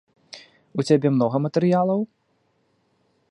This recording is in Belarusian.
У цябе многа матэрыялаў?